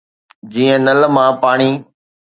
جيئن نل مان پاڻي